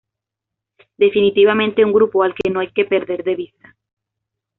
Definitivamente un grupo al que no hay que perder de vista.